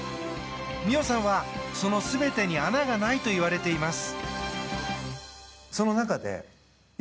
実生さんは、その全てに穴がないといわれています。